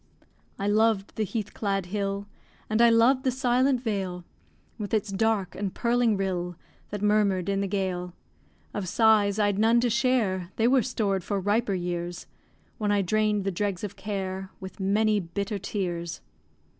I loved the heath clad hill, And I loved the silent vale, With its dark and purling rill That murmur'd in the gale. Of sighs I'd none to share, They were stored for riper years, When I drain'd the dregs of care With many bitter tears.